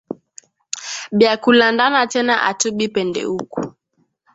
Bya ku landana tena atubi pende uku